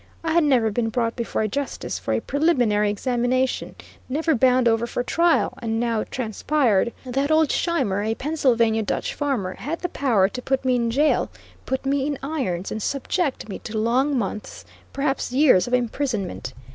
I had never been brought before a justice for a preliminary examination; never bound over for trial; and now it transpired that old Scheimer, a Pennsylvania Dutch farmer, had the power to put me in jail, put me in irons, and subject me to long months, perhaps years of imprisonment.